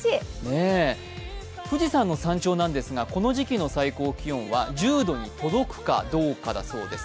富士山の山頂なんですが、この時期の最高気温は１０度に届くかどうかだそうです。